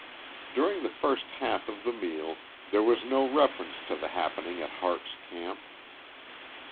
During the first half of the meal there was no reference to the happening at Harte's Camp.